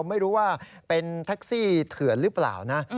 ไม่รู้ว่าเป็นแท็กซี่เถื่อนหรือเปล่านะ